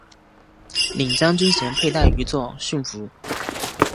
领章军衔佩戴于作训服。